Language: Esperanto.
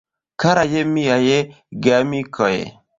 Karaj miaj Geamikoj!